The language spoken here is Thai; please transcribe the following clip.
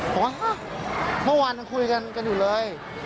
บอกว่าเมื่อวานยังคุยกันอยู่เลย